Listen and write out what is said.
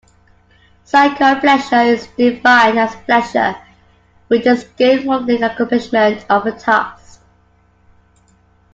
Psycho-pleasure is defined as pleasure which is gained from the accomplishment of a task.